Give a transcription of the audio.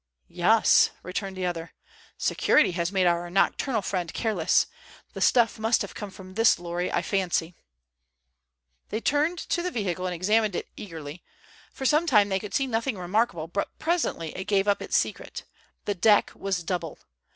"Yes," returned the other. "Security has made our nocturnal friend careless. The stuff must have come from this lorry, I fancy." They turned to the vehicle and examined it eagerly. For some time they could see nothing remarkable, but presently it gave up its secret The deck was double!